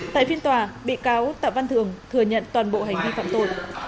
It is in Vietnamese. tại phiên tòa bị cáo tạ văn thường thừa nhận toàn bộ hành vi phạm tội